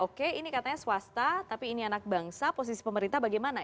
oke ini katanya swasta tapi ini anak bangsa posisi pemerintah bagaimana